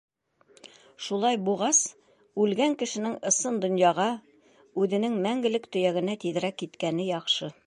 Шулай буғас, үлгән кешенең ысын донъяға, үҙенең мәңгелек төйәгенә, тиҙерәк киткәне яҡшы.